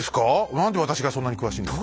何で私がそんなに詳しいんだ。